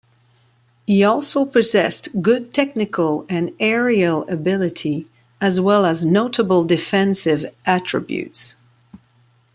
He also possessed good technical and aerial ability, as well as notable defensive attributes.